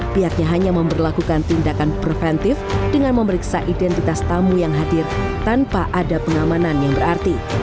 pihaknya hanya memperlakukan tindakan preventif dengan memeriksa identitas tamu yang hadir tanpa ada pengamanan yang berarti